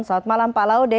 selamat malam pak laude